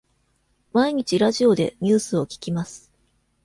毎日ラジオでニュースを聞きます。